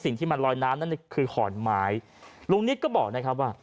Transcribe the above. สิ่งที่มันลอยน้ำนั่นคือขอนไม้ลุงนิดก็บอกนะครับว่า